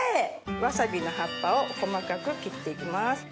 わさびの葉っぱを細かく切っていきます。